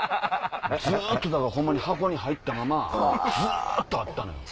ずっとだからホンマに箱に入ったままずっとあったのよ。